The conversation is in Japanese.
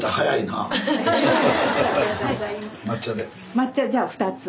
抹茶じゃあ２つ。